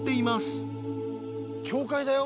教会だよ。